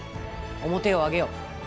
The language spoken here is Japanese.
面を上げよ。